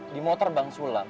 di motor bang sulam